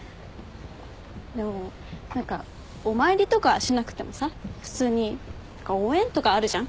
でも何かお参りとかしなくてもさ普通に応援とかあるじゃん。